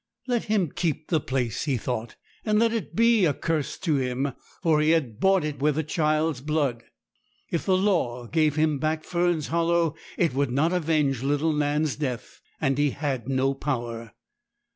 Let him keep the place, he thought, and let it be a curse to him, for he had bought it with a child's blood. If the law gave him back Fern's Hollow, it would not avenge little Nan's death; and he had no power.